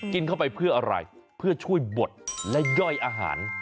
กินเข้าไปเพื่ออะไรเพื่อช่วยบดและย่อยอาหาร